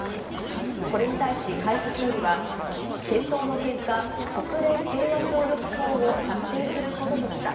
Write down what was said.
これに対し、海部総理は、検討の結果、国連平和協力法を策定することとした。